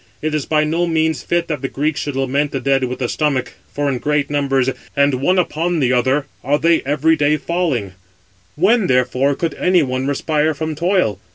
It is by no means fit that the Greeks should lament the dead with the stomach, for in great numbers and one upon another are they every day falling; when therefore could any one respire from toil?